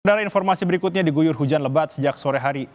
benar informasi berikutnya diguyur hujan lebat sejak sore hari